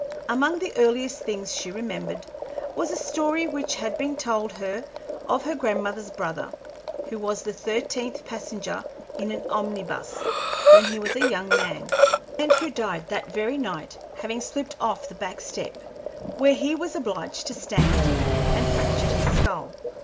Among the earliest things she remembered was a story which had been told her of her grandmother's brother, who was the thirteenth passenger in an omnibus when he was a young man, and who died that very night, having slipped off the back step, where he was obliged to stand, and fractured his skull.